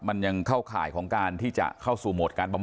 มันยังเข้าข่ายของการที่จะเข้าสู่โหมดการบำบ